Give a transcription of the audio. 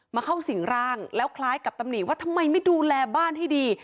เข้าสิ่งร่างแล้วคล้ายกับตำหนิว่าทำไมไม่ดูแลบ้านให้ดี